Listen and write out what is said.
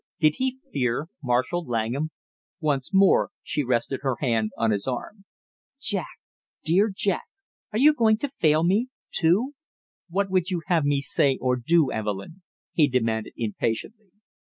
Did he fear Marshall Langham? Once more she rested her hand on his arm. "Jack, dear Jack, are you going to fail me, too?" "What would you have me say or do, Evelyn?" he demanded impatiently.